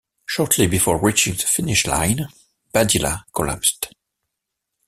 Shortly before reaching the finish line, Badilla collapsed.